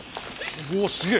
おおすげえ！